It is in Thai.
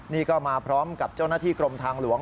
นี่ก็มาพร้อมกับเจ้าหน้าที่กรมทางหลวง